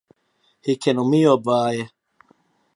Hy kin om my opwaaie.